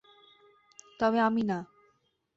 তবে আমি না।